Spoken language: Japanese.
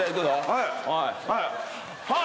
はい。